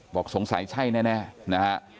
บอกสงสัยใช่แน่นะฮะ